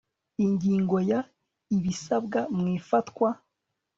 ingingo ya ibisabwa mu ifatwa